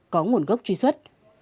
có nguồn gốc truy xuất